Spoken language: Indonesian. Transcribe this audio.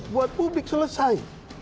buat publik selesai